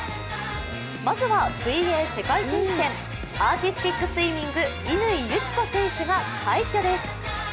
まずは水泳世界選手権アーティスティックスイミング乾友紀子選手が快挙です。